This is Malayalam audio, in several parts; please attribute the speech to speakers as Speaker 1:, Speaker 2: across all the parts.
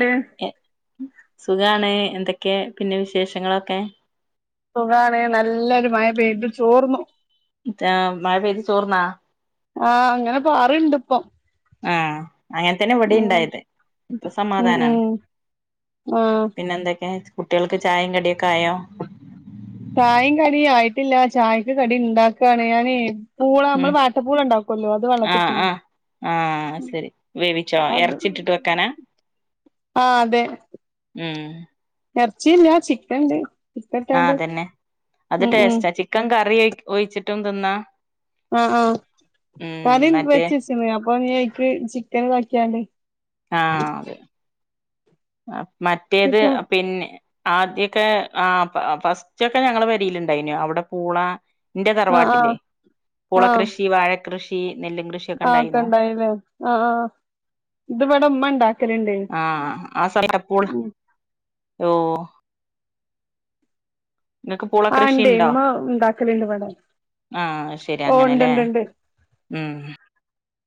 Speaker 1: എ എ സുഖാണ്. എന്തൊക്കെ പിന്നെ വിശേഷങ്ങളൊക്കെ
Speaker 2: സുഖാണ്. നല്ലൊരു മഴ പെയിത് ചോർന്നു.
Speaker 1: അ മഴ പെയ്ത് ചോർന്നാ
Speaker 2: ആ അങ്ങനെ പാർണ്ട് ഇപ്പം.
Speaker 1: [unintelligible] അങ്ങനെ തന്നെ ഇവിടെ
Speaker 2: ഉം
Speaker 1: ഉണ്ടായത്. ഇപ്പം
Speaker 2: ഉം
Speaker 1: സമാധാന.
Speaker 2: ഉം ആഹ്
Speaker 1: പിന്നെ എന്തൊക്കെ ചോദ്യചിഹ്നം കുട്ടികൾക്ക് ചായിം കടിയൊക്കെ ആയോ ചോദ്യചിഹ്നം
Speaker 2: ചായിം കടിം ആയിട്ടില്ല. ചായക്ക് കടി ഉണ്ടാക്കാണ്. ഞാനെ പൂള. നമ്മൾ
Speaker 1: ഉം
Speaker 2: വാട്ടപ്പൂളണ്ടാക്കല്ലോ അത്
Speaker 1: ആഹ്
Speaker 2: വെള്ളത്തിട്ടിന്.
Speaker 1: ആഹ് ആഹ് ശരി വേവിച്ചോ ഇറച്ചിട്ടിട്ട് വെക്കാനാ
Speaker 2: ആ അതെ.
Speaker 1: ഉം.
Speaker 2: എർച്ചില്ല ചിക്കൻ ഇണ്ട്.
Speaker 1: ആ തന്നെ അത് ടെസ്റ്റാ. ചിക്കൻ കറി ഒഴിച്ചിട്ടും തിന്നാ
Speaker 2: ആ ആ
Speaker 1: ഉം
Speaker 2: കറി
Speaker 1: മറ്റേ
Speaker 2: വെച്ചച്ചിണ്. അപ്പൊ ഞ്ഞി അയിക്ക് ചിക്കൻ ഇതാക്കിയാൽ
Speaker 1: ആ അത്. മറ്റേത്
Speaker 2: ചിക്കൻ
Speaker 1: അ പിന്നെ ആദ്യംഒക്കെ ആ ഫസ്റ്റ് ഒക്കെ ഞങ്ങളെ പെരിൽ ഇണ്ടായിനി അവിടെ പൂള ഇന്റെ
Speaker 2: ആഹ്
Speaker 1: തറവാട്ടിൽ
Speaker 2: ആഹ് ആഹ്
Speaker 1: പുളക്കൃഷി, വാഴക്കൃഷി നെല്ലും കൃഷിയൊക്കെ
Speaker 2: ആഹ് ഒക്കെ
Speaker 1: ഉണ്ടായിന്നോ
Speaker 2: ഉണ്ടയിലെ. അ ആ ഇത്വ്ടെ ഉമ്മ ഇണ്ടാക്കല്.
Speaker 1: ആ ഹ് സമയപ്പോൾ ഓ ഇങ്ങക്ക് പൂള
Speaker 2: ആ ഇണ്ട്
Speaker 1: കൃഷിണ്ടോ
Speaker 2: ഇമ്മ ഉണ്ടാക്കലുണ്ട് ഇവിടെ
Speaker 1: ആഹ് അ ശരി
Speaker 2: ഓ
Speaker 1: അങ്ങനെല്ലേ ഉം.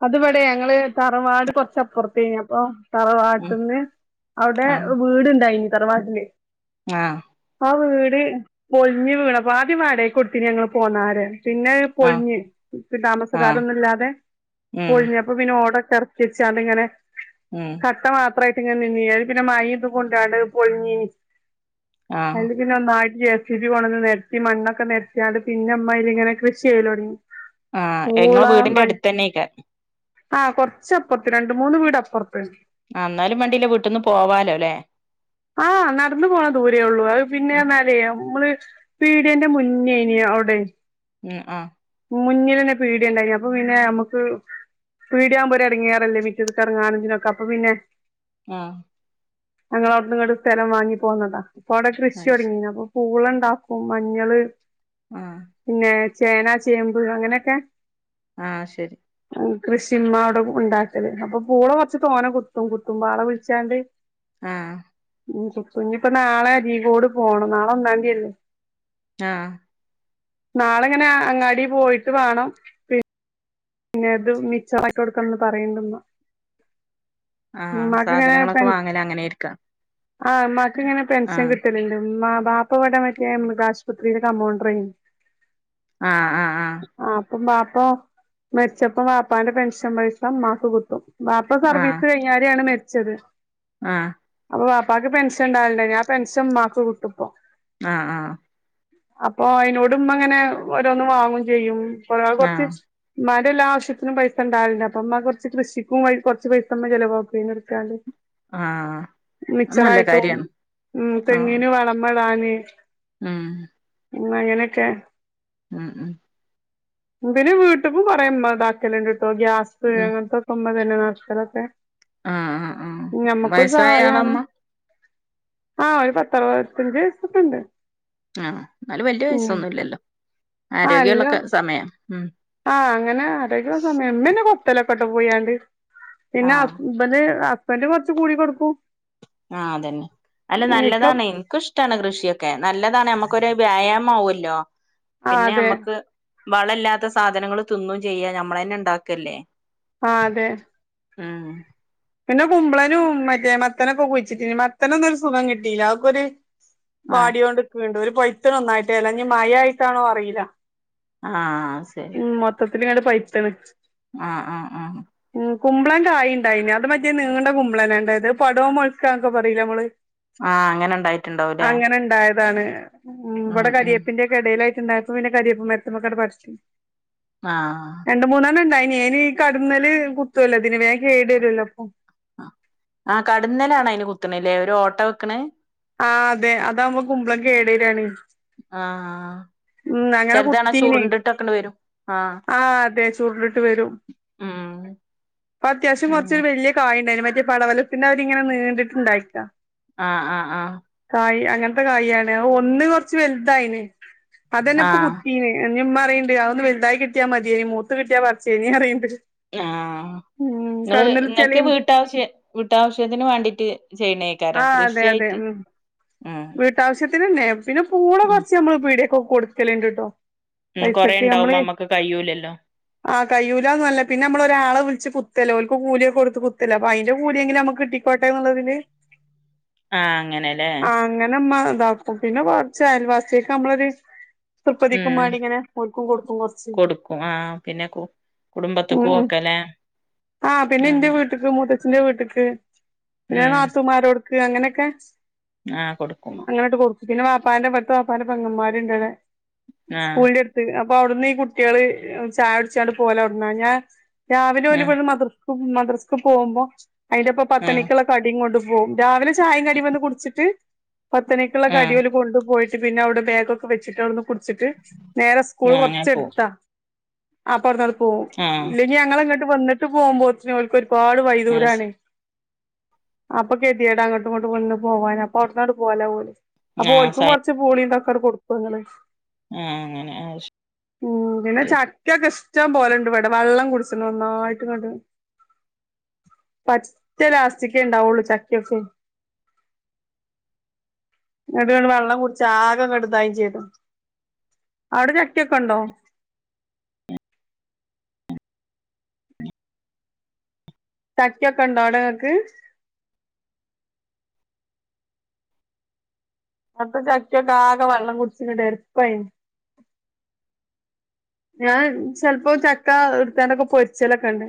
Speaker 2: അതുവിടേ ഞങ്ങൾ തറുവാട് കൊറച്ചപ്പുറത്തെയെന്നി അപ്പം.
Speaker 1: ഉം
Speaker 2: തറവാട്ട്ന്ന് അവടെ
Speaker 1: ആഹ്
Speaker 2: വീടുണ്ടായിനി തറവാട്ടിൽ
Speaker 1: [unintelligible]
Speaker 2: ആ വീട് പൊൾഞ്ഞ് വീണപ്പോ. ആദ്യം വാടകാക്ക് കൊടുത്തിന് ഞങ്ങൾ പോന്നാരെ പിന്നെ
Speaker 1: ആഹ്
Speaker 2: പൊൾഞ്ഞ്. [unintelligible]
Speaker 1: ആഹ്
Speaker 2: താമസക്കാരൊന്നു ഇല്ലാതെ
Speaker 1: ഉം
Speaker 2: പൊളിഞ്ഞപ്പൊ പിന്നെ ഓട [unintelligible] വെച്ചട്ടിങ്ങനെ
Speaker 1: ഉം
Speaker 2: കട്ട കട്ട മാ [unintelligible] യിട്ട് ഇങ്ങനെ നിന്നിന് പിന്നെ മഴത് കൊണ്ടാണ്ട് പോളിഞ്ഞി ന്.
Speaker 1: ആഹ്
Speaker 2: അതിന്റെ പിന്നെ ഒനയി ജെ. സി. പി. കൊണന്ന് നിരത്തി മണ്ണൊക്കെ നിരത്തിയാണ്ട്. പിന്ന അമ്മ അയില് ഇങ്ങനെ കൃഷി ചെയലോ ടങ്ങി.
Speaker 1: ആ ങ്ങ വീടിന്റെ അടുത്ത് തന്നക്കാ
Speaker 2: ആ കൊറച്ചാപ്പർത്ത് രണ്ട് മൂന്ന് വീട് അപ്പുറത്ത്.
Speaker 1: എന്നാലും വണ്ടീല്ല വീട്ടന്ന് പോ
Speaker 2: ആഹ നടന്നു പോണ ദൂരെ ഉള്ളൂ. അത് പിന്നെ
Speaker 1: ഉം
Speaker 2: എന്നാല് നമ്മള് പീഡിയന്റെ മുന്നേന് അവിടെ.
Speaker 1: ഉം ആഹ
Speaker 2: മുന്നിൽ ലന്നെ പിടിയാ ഉണ്ടായി അപ്പൊ പിന്നെ നമുക്ക്. വീടിയകുമ്പോ ഇങ്ങിയറല്ലേ മിറ്റത്ക് ഇറങ്ങാനും തിനൊക്കെ. അപ്പൊ പിന്നെ
Speaker 1: ആഹ
Speaker 2: ഞങ്ങള് അവിട്നുങ്ങട്ട് സ്ഥലം വാങ്ങി പോകുന്നതാ. ഇപ്പൊ അവിടെ കൃഷി
Speaker 1: അത് ശരി
Speaker 2: തുടങ്ങി. അപ്പൊ പൂള ണ്ടാക്കും, മഞ്ഞള്,
Speaker 1: ആഹ്
Speaker 2: പിന്നെ ചേന, ചേമ്പ്, അങ്ങനെയൊക്കെ
Speaker 1: ആഹ ശരി.
Speaker 2: കൃഷി ഇമ്മഅവിടെ ഉണ്ടാക്കല്ട്. അപ്പൊ പൂള കുറച്ച് തോന കുത്തും. കുത്തും ആളെ വിളിച്ചാണ്ട്.
Speaker 1: ആഹ.
Speaker 2: ഉ ഞ്ഞിഇപ്പോ നാളെ അരികോട് പോണം. നാളെ ഒന്നാം തിഅല്ലേ.
Speaker 1: ആഹ
Speaker 2: നാളെങ്ങനെ അങ്ങാടി പോയിട്ട്. വേണം പി പിന്നെ അത് മിച്ചമായി കൊടുക്കന്ന് പറയണ്ട് ഇമ്മ.
Speaker 1: ആഹ സാധനങ്ങളൊക്കെ വാങ്ങല് അങ്ങനെയിരിക്കാം.
Speaker 2: ആഹ ഉ്മാക്ക് ഇങ്ങനെ പെൻഷൻ
Speaker 1: ആഹ്
Speaker 2: കിട്ടലണ്ട്. ഇമ്മ വാപ്പ ഇവിടെ മൃഗാശുപത്രിയിൽ ക മോണ്ടർ.
Speaker 1: ആഹ് ആഹ് ആഹ
Speaker 2: അപ്പം ബാപ്പ മരിച്ചപ്പോ ബാപ്പാന്റെ പെൻഷൻ പൈസ അമ്മാക്ക് കിടും. ബാപ്പ സർവീസ് കഴിഞ്ഞരയാണ് മരിച്ചത്.
Speaker 1: ആഹ
Speaker 2: ബാപ്പാക്ക് പെൻഷ ഉണ്ടാവില്ലണ്ട് ആ പെൻഷൻ ഉ്മാക്ക് കുട്ടിപ്പോ.
Speaker 1: ആഹ ആഹ.
Speaker 2: അപ്പൊ അയിനോട് അങ്ങനെ ഓരോന്ന് വാങ്ങും ചെയ്യും [unintelligible] കുറച്ച്
Speaker 1: ആഹ്
Speaker 2: അമ്മമാടെല്ലാ ആവശ്യതിന് പൈസണ്ടാവില്ലണ്ട്. അപ്പ അമ്മ കുറച്ച് കൃഷിക്കും വ കുറച്ച് പൈസ അമ്മ ചിലവാക്കും ആയീന്ഇട്ത്ക്കാണ്ട്.
Speaker 1: ആഹ് അത്
Speaker 2: മിച്ചർ
Speaker 1: നല്ല
Speaker 2: അയിട്ടും
Speaker 1: കാര്യാണ്
Speaker 2: ഉ തെങ്ങീന് വളമടാന്.
Speaker 1: ആഹ
Speaker 2: എന്ന അങ്ങനെ കൊ
Speaker 1: ഉം ഉ
Speaker 2: പിന്നെ വീട്ട്ക്കും കുറൊ ഇമ്മ ഇതാക്കലുണ്ട് കേട്ടോ. ഗ്യാസ്
Speaker 1: ഉം
Speaker 2: അങ്ങനത്തൊക്കെ. ഇമ്മ തന്നെ നറക്കലൊക്കേ
Speaker 1: ആഹ് ആഹ് ആഹ്
Speaker 2: നമ്മുക്കൊരു
Speaker 1: വയസ്സായ
Speaker 2: സഹായമാണ്.
Speaker 1: ആളാമ്മ
Speaker 2: ആഹ ഒരു പത്തറുപത്തഞ്ച്യവയസ്കൊണ്ട്.
Speaker 1: ആഹ എന്നാലും വല്യ വയസ്സൊന്നുമില്ലല്ലോ.
Speaker 2: ആഹ്
Speaker 1: ആരോഗ്യമുള്ളൊക്കെ
Speaker 2: എല്ലാം
Speaker 1: സമയം.
Speaker 2: ആഹ് അങ്ങനെ ആരോഗ്യമുള്ള സമയം എന്നെ ഇമ്മനെയാണ്. പോയി ങട് കൊത്തലൊക്കെ. പിന്നെ
Speaker 1: ആഹ്
Speaker 2: ഹസ് ബര് ഹസ്ബൻഡ് കുറച്ച് കൂടി കൊടുക്കൂം.
Speaker 1: ആഹ അതന്നെ അല്ല
Speaker 2: ഇക്ക
Speaker 1: നല്ലതാണ്. എനിക്കും ഇഷ്ടാണ്. കൃഷിയൊക്കെ നല്ലതാണ് നമ്മുക്കൊരു വ്യായാമം ആവല്ലോ
Speaker 2: ആഹ്
Speaker 1: പിന്നെ
Speaker 2: അതെ
Speaker 1: നമ്മക്ക് വള ഇല്ലാത്ത സാധനങ്ങൾ തിന്നും ചെയ്യാ നമ്മള തന്നെ ഉണ്ടാക്കല്ലേ.
Speaker 2: ആഹ അതെ.
Speaker 1: ഉം
Speaker 2: പിന്നെ കുമ്പളനും മറ്റേ മത്തനൊക്കെ കുഴിച്ചിട്ടി മത്തന ഒന്നുംരു സുഖം കിട്ടിയില്ല അവർക്കൊരു
Speaker 1: ആഹ്
Speaker 2: വാടോണ്ടിക്കണ്ട് ഒരു പോയ്‌ത്തന ഒന്നായിട്ടേല്ല ന മയായിട്ടാണോ അറിയില്ല
Speaker 1: ആ ശരി
Speaker 2: [unintelligible] പൈത്തണ്
Speaker 1: ആ ആ ആ
Speaker 2: കുമ്പളം കായിണ്ടായിന് അത് മറ്റേ നീണ്ട കുമ്പളനണ്ടായത്. പട്‌വ മൊളക്കന്നൊക്കെ പറയില്ലെ നമ്മള്.
Speaker 1: ആ അങ്ങനെ ഉണ്ടായിട്ടുണ്ടാവും. ല്ലെ
Speaker 2: എതണ് കരിയപ്പിന്റെ എടയിലായിട്ട്ണ്ടാകും പ്പോ പിന്നെ കരിയോപ്പ് മരത്മ്മക്കാട്ട് പടത്തും. രണ്ട്, മൂന്നെണ്ണം, ണ്ടായിന്. അയിന് കട്ന്നല് കുത്തു അല്ലോ ഇതിൻ വേ കേട്‌
Speaker 1: ആഹ്
Speaker 2: വരുല്ലോ? ഓ
Speaker 1: ആ കടന്നലാണയിന് കുത്ത്‌ണെല്ലേ ഒരു ഓട്ടോ വെക്കണെ
Speaker 2: ആ അതെ അതാവുമ്പോ കുമ്പളം കേടരാണ്
Speaker 1: ആ ചെറുതണാ ചുരുണ്ടിട്ടൊക്കെണ്ട് വരും
Speaker 2: ആ അതെ ചൂരുണ്ടിട്ട് വരും
Speaker 1: ഉം
Speaker 2: ഇപ്പൊ അത്യാവശ്യം
Speaker 1: ഉം
Speaker 2: കുറച്ചൊരു വലിയ കായണ്ടായിന്നു മറ്റേ പടവലത്തിന്റെ മാരിങ്ങനെ നീണ്ടിട്ട്ണ്ടായിരിക്കാ
Speaker 1: ആ ആ ആ
Speaker 2: അങ്ങനത്തെ കായിയാണ് അ ഒന്ന് കൊറച്ച് വലുതായിന് അതന്നെ
Speaker 1: ആ
Speaker 2: ഇപ്പൊ കുത്തീന് നിമ്മ പറിയ്ണ്ട് അതേന്ന് വെലുതായി കിട്ടിയാ മതിയെനി മൂത്ത് കട്ടിയാ പറച്ചേനി അറിയ്ണ്ട്
Speaker 1: ആ ഇങ്ങള്
Speaker 2: കടന്നലുത്തിയാല്
Speaker 1: ഇങ്ങൾക്ക് വീട്ടാവശ്യ വീട്ടാവശ്യത്തിന് വാണ്ടീട്ട് ചെയ്യണേക്കാരം കൃഷിയായിട്ട് ഉം
Speaker 2: വീട്ടാവശ്യത്തിന്നെനെ പിന്നെ പൂള
Speaker 1: ഉം
Speaker 2: കുറച്ച് നമ്മള് പീടിയെക്കോക്കെ കൊടുക്കല്ണ്ട്ട്ടോ
Speaker 1: ഉം കൊറേ
Speaker 2: പൈസക്ക് നമ്മള്
Speaker 1: ഉണ്ടാവുമ്പോ നമ്മക്ക് കഴിയൂലല്ലോ
Speaker 2: ആ കയ്യൂലന്നല്ല പിന്നെ നമ്മളൊരാളെ വിളിച്ച് കു കുത്തല്ലെ ഓല്ക്ക് കൂലിയൊക്കെ കൊടുത്ത് കുത്തല്ലെ അപ്പൊ അതിന്റെ കൂലിയെങ്കിലും നമ്മക്ക് കിട്ടിക്കോട്ടെ ന്നുള്ളതില്
Speaker 1: ആ അങ്ങനെ
Speaker 2: അങ്ങനെമ്മ ഇതാക്കും പിന്നെ കുറച്ച് അയൽവാസിയാക് നമ്മളൊരു ത്യപ്പതിക്കും
Speaker 1: ഉം
Speaker 2: മാണ്ടിങ്ങനെ ഓര്ക്കും കൊടുക്കും കൊറച്ച്
Speaker 1: കൊടുക്കും ആ പിന്നെ കു കുടുംബത്ത്ക്കും ഒക്കലെ
Speaker 2: ആ പിന്നെ ന്റെ വീട്ട്ക്ക് [unintelligible] ച്ചീന്റെ വീട്ട്ക്ക് പിന്നെ
Speaker 1: ഉം
Speaker 2: നാത്തൂമാരോട്ക്ക് അങ്ങനെയൊക്കെ
Speaker 1: ആ കൊടുക്കും
Speaker 2: അങ്ങനെട്ട് കൊടുക്കും പിന്നെ വാപ്പാന്റെ മ്പ്ട്‌ത്തെ വാപ്പാന്റെ പങ്ങന്മാരുണ്ടവിടെ
Speaker 1: ആ
Speaker 2: സ്കൂളിന്റെ അടുത്ത് അ പ്പൊ അവിടുന്ന് ഈ കുട്യാൾ ചായ കുടിച്ചാണ്ട് പോവലവ്ട്ന്ന ഞാൻ രാവിലെ
Speaker 1: ആ
Speaker 2: ഓലിവ്ട്ന്ന് മാദർ മദ്രസ്‌ക്ക് പോകുമ്പോ അയിന്റെപ്പം
Speaker 1: ആ
Speaker 2: പത്തണിക്കുള്ള കടീം കൊണ്ട് പോകും രാവിലെ ചായം കടീം വടന്ന് കുടിച്ചിട്ട് പത്തണിക്കുള്ള കടി ഓല്
Speaker 1: ആ
Speaker 2: കൊണ്ടു പോയി പിന്നെ അവിടെ ബാഗോക്കെ വെച്ചിട്ട് അവിടുന്ന് കുടിച്ചിട്ട് നേരെ സ്കൂൾ
Speaker 1: ആ അങ്ങനെ പോവും
Speaker 2: കൊറച്ചെട്ത്ത അപ്പവ്ട്ന്നാട്ട് പോവും
Speaker 1: ആ
Speaker 2: ഇല്ലെങ്കി ഞങ്ങളെങ്ങട്ട് വന്നിട്ട് പോകുമ്പോത്തിനും ഓല്ക്കൊരു പാട്
Speaker 1: അത് ശരി
Speaker 2: വൈദൂരാണ് അപ്പൊ കേതിയെടാ അങ്ങോട്ടും ഇങ്ങോട്ടും കൊണ്ട് പോവാന് അവ്ട്നാട്ട് പോവലാ ഓല് അപ്പൊ
Speaker 1: ആഹ്
Speaker 2: ഓല്ക്കും
Speaker 1: സയ
Speaker 2: കൊറച്ച് പൂളിം തക്കങ്ങട്ട് കൊടുക്കങ്ങള്
Speaker 1: ആഹ് അങ്ങനെ അത്
Speaker 2: ഉം പിന്നെ
Speaker 1: ശരി
Speaker 2: ചാക്കയോക്കെ ഇഷ് ട്ടം പോലണ്ട് ഇവിടെ വള്ളം കുടിച്ച് ണ് ഒന്നായിട്ട്ങ്ങട്ട് പറ്റെ ലാസ്റ്റിക്കേണ്ടാവുള്ളു ചക്കയൊക്കെ
Speaker 1: [inaudible]
Speaker 2: അതുകണ്ട് വെള്ളം കുടിച്ച് ആകങ്ങട്ട് ഇതായും ചെയ്തു അവിടെ ചക്കയൊക്കെണ്ടോ ചക്കൊക്കെ ഉണ്ടോ അവിടെങ്ങക്ക് ത്തെ ചക്കൊക്കെ ആകെ വള്ളം കുടിച്ചിട്ട്ങ്ങട്ട് ആകെ രപ്പായി ഞാൻ ചെലപ്പോ ചക്ക ഇട്ത്താണ്ടോക്കെ പൊരിച്ചലൊക്കെ ണ്ട്